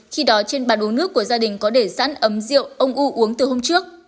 khi đó trên bà đố nước của gia đình có để sẵn ấm rượu ông u uống từ hôm trước